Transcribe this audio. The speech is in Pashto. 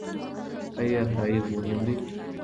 ايا تاييد مهم دی؟